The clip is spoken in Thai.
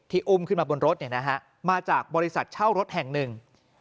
อุ้มขึ้นมาบนรถมาจากบริษัทเช่ารถแห่งหนึ่ง